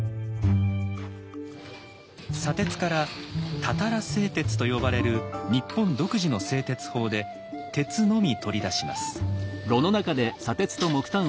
砂鉄から「たたら製鉄」と呼ばれる日本独自の製鉄法で鉄のみ取り出します。